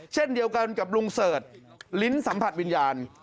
เช่นเดียวกันกับลุงเสิร์ชลิ้นสัมผัสวิญญาณ